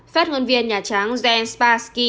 phát ngôn viên nhà tráng jen spassky